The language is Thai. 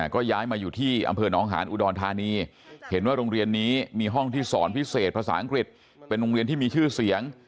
ก็ย้ายมาอยู่ที่อำเภอน้องหานอุดรธานีเห็นว่าโรงเรียนนี้มีห้องที่สอนพิเศษภาษาอังกฤษเป็นโรงเรียนที่มีชื่อเสียง